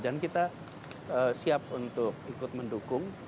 dan kita siap untuk ikut mendukung